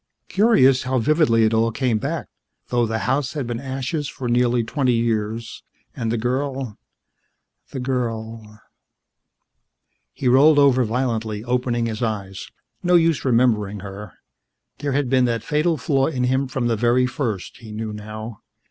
Curious how vividly it all came back, though the house had been ashes for nearly twenty years, and the girl the girl ... He rolled over violently, opening his eyes. No use remembering her. There had been that fatal flaw in him from the very first, he knew now.